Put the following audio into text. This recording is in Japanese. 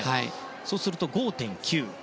そうすると５．９。